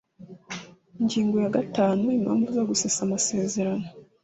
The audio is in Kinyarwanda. Ingingo ya gatanu Impamvu zo gusesa amasezerano